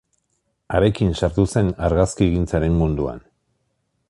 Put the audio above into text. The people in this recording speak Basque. Harekin sartu zen argazkigintzaren munduan.